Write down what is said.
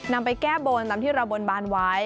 นำไปแก้บนตามที่เราบนบานไว้